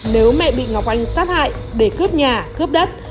nếu mẹ bị ngọc anh sát hại để cướp nhà cướp đất